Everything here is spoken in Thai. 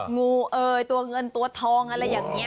งูเอ่ยตัวเงินตัวทองอะไรอย่างนี้